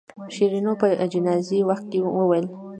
شیرینو په جنازې وخت کې وویل.